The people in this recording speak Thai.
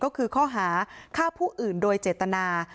ก็คือข้อหาฆ่าผู้อื่นโดยเจตนา